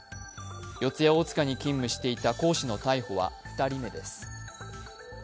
四谷大塚に勤務していた講師の逮捕は２人目です。